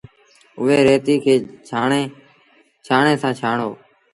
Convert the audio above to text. اُئي ريتيٚ کي ڇآڻڻي سآݩ ڇآڻو۔